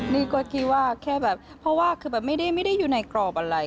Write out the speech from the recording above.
นี่ก็คิดว่าแค่แบบเพราะว่าคือแบบไม่ได้อยู่ในกรอบอะไร